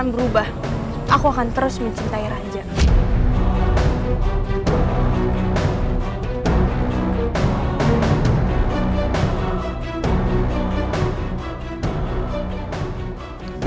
ibu ibu harus tolongin anak saya ibu